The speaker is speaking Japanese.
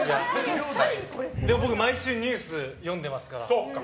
僕、毎週ニュースを読んでますから。